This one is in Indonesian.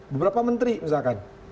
beberapa menteri misalkan